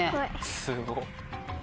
すごっ。